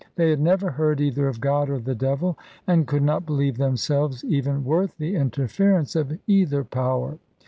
They had never heard either of God or the devil, and could not believe themselves even worth the interference of either Power.